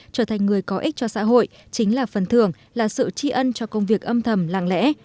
trở thành người có ích cho xã hội chính là phần thường là sự tri ân cho công việc âm thầm lặng lẽ